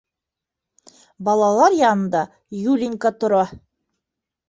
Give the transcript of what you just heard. Балалар янында Юлинька тора.